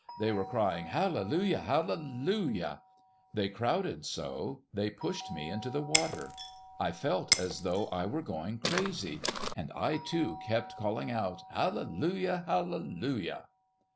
They were crying 'Hallelujah! Hallelujah!' They crowded so they pushed me into the water. I felt as though I were going crazy, and I, too, kept calling out 'Hallelujah! Hallelujah!'"